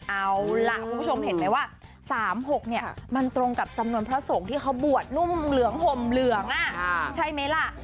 เอาล่ะคุณผู้ชมเห็นไหมว่า๓๖เนี่ยมันตรงกับจำนวนพระสงฆ์ที่เขาบวชนุ่มเหลืองห่มเหลืองใช่ไหมล่ะ